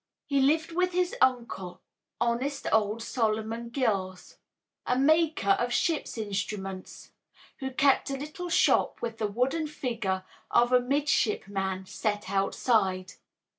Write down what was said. He lived with his uncle, honest old Solomon Gills, a maker of ship's instruments, who kept a little shop with the wooden figure of a midshipman set outside.